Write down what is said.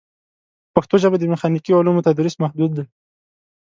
په پښتو ژبه د میخانیکي علومو تدریس محدود دی.